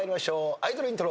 アイドルイントロ。